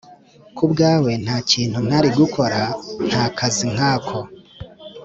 kubwawe ntakintu ntari gukora, ntakazi nkako.